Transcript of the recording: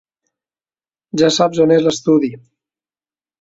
Ja saps on és l'estudi.